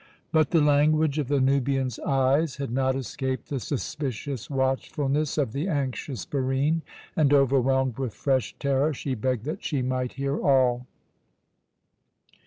But the language of the Nubian's eyes had not escaped the suspicious watchfulness of the anxious Barine and, overwhelmed with fresh terror, she begged that she might hear all.